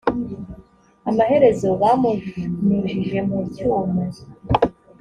amaherezo bamunyujije mu cyuma